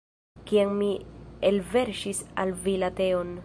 Kiam mi elverŝis al vi la teon.